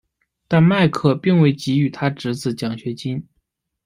但麦克并未给予他侄子奖学金。